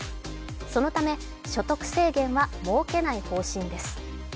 そのため、所得制限は設けない方針です。